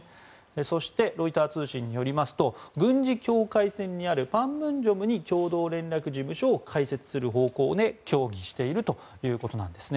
そしてロイター通信によりますと軍事境界線にある板門店に共同連絡事務所を開設する方向で協議しているということなんですね。